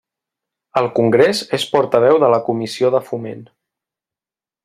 Al Congrés és portaveu de la Comissió de Foment.